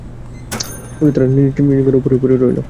ফলে তারা নিজ নিজ ঘরে উপুড় হয়ে পড়ে রইল।